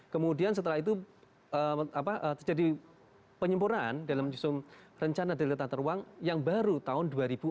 kemudian setelah itu apa terjadi penyempurnaan dalam rencana detail tata ruang yang baru tahun dua ribu empat belas